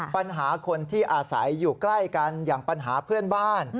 ปัญหาคนที่อาศัยอยู่ใกล้กันอย่างปัญหาเพื่อนบ้าน